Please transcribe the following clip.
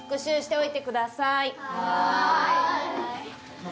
はい。